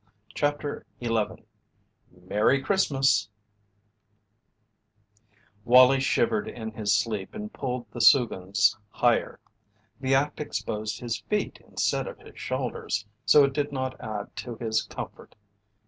CHAPTER XI MERRY CHRISTMAS Wallie shivered in his sleep and pulled the soogans higher. The act exposed his feet instead of his shoulders, so it did not add to his comfort.